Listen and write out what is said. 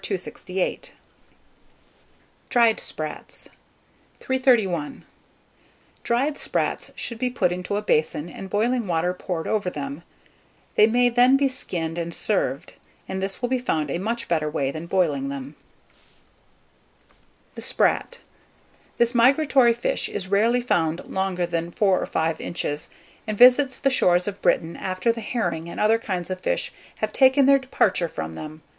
268.) DRIED SPRATS. 331. Dried sprats should be put into a basin, and boiling water poured over them; they may then be skinned and served, and this will be found a much better way than boiling them. [Illustration: THE SPRAT.] THE SPRAT. This migratory fish, is rarely found longer than four or five inches, and visits the shores of Britain after the herring and other kinds of fish have taken their departure from them.